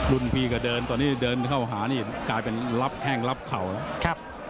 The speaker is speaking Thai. พี่ก็เดินตอนนี้เดินเข้าหานี่กลายเป็นรับแข้งรับเข่าแล้ว